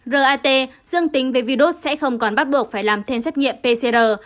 rat dương tính với virus sẽ không còn bắt buộc phải làm thêm xét nghiệm pcr